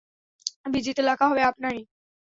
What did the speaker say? বিজিত এলাকা হবে আপনারই।